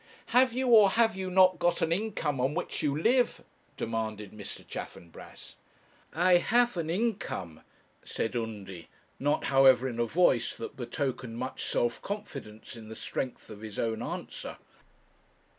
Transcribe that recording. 'Have you, or have you not, got an income on which you live?' demanded Mr. Chaffanbrass. 'I have an income,' said Undy, not, however, in a voice that betokened much self confidence in the strength of his own answer.